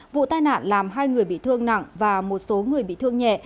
vụ tai nạn làm hai người bị thương nặng và một số người bị thương nhẹ